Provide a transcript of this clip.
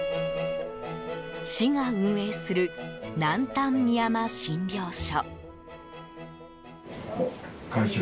市が運営する南丹みやま診療所。